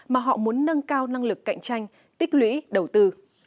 mà họ muốn nâng cao năng lực cạnh tranh tích lũy đầu tư